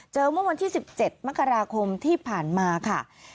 เมื่อวันที่๑๗มกราคมที่ผ่านมาค่ะ